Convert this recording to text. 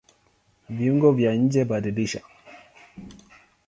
Viungo vya njeBadilisha